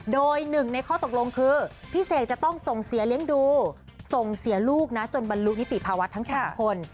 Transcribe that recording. โดยหนึ่งในข้อตกลงคือพี่เสกจะต้องส่งเสียเลี้ยงดูส่งเสียลูกนะจนบรรลุนิติภาวะทั้งสองคน